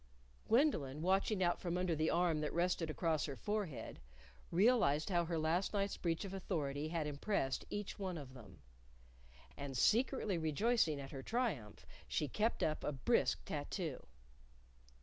Gwendolyn, watching out from under the arm that rested across her forehead, realized how her last night's breach of authority had impressed each one of them. And secretly rejoicing at her triumph, she kept up a brisk tattoo.